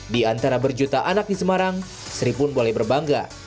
di antara berjuta anak di semarang sri pun boleh berbangga